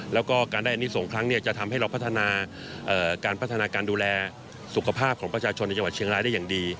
แล้วก็การได้อันนี้ส่งครั้งจะทำให้เราพัฒนาการพัฒนาการดูแลสุขภาพของประชาชนในจังหวัดเชียงรายได้อย่างดี